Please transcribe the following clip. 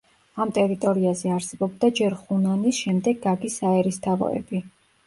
ამ ტერიტორიაზე არსებობდა ჯერ ხუნანის, შემდეგ გაგის საერისთავოები.